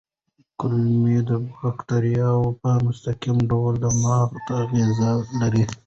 کولمو بکتریاوې په مستقیم ډول دماغ ته اغېز لري.